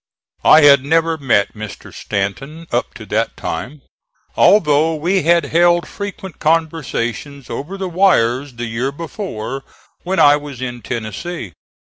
I had never met Mr. Stanton up to that time, though we had held frequent conversations over the wires the year before, when I was in Tennessee.